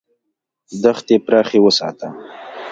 دښتې پراخې وساته.